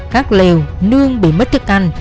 các lều nương bị mất thức ăn